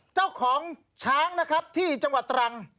เจ้าของช้างนะครับที่จังหวัดตรัง